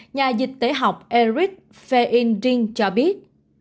nhà dịch tế học eric feindring cho biết